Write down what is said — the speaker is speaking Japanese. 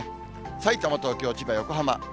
さいたま、東京、千葉、横浜。